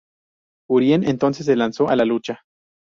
Urien entonces se lanzó a la lucha.